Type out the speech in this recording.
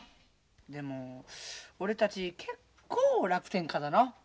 でも俺たち結構楽天家だの。